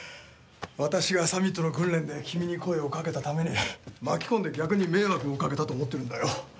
私がサミットの訓練で君に声をかけたために巻き込んで逆に迷惑をかけたと思ってるんだよ。